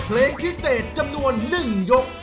เพลงพิเศษจำนวน๑ยก